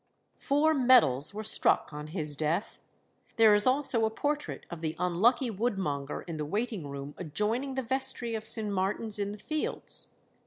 Four medals were struck on his death. There is also a portrait of the unlucky woodmonger in the waiting room adjoining the Vestry of St. Martin's in the Fields.